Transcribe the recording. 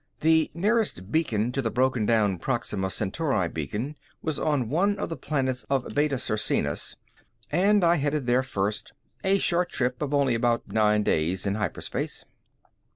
The nearest beacon to the broken down Proxima Centauri Beacon was on one of the planets of Beta Circinus and I headed there first, a short trip of only about nine days in hyperspace.